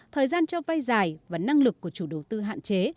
thời gian cho vay dài và năng lực của chủ đầu tư hạn chế